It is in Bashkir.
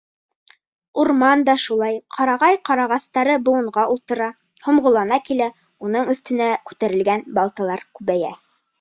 Урман да шулай, ҡарағай-ҡарағастары быуынға ултыра, һомғоллана килә, уның өҫтөнә күтәрелгән балталар күбәйә.